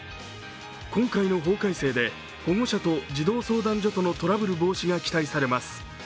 今回の法改正で保護者と児童相談所とのトラブル防止が期待されます。